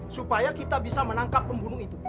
supaya kita bisa menangkap pembunuh itu